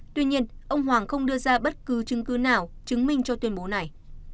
tuy nhiên ông hoàng không đưa ra bất cứ chứng cứ nào chứng minh cho tuyên bố này